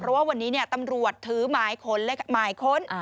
เพราะว่าวันนี้ตำรวจถือหมายค้น